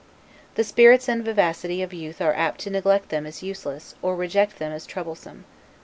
The spirits and vivacity of youth are apt to neglect them as useless, or reject them as troublesome.